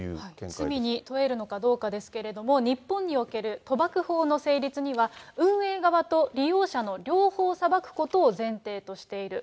罪に問えるかどうかですけれども、日本における賭博法の成立には、運営側と利用者の両方裁くことを前提としている。